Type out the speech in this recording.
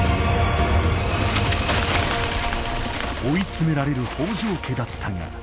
追い詰められる北条家だったが。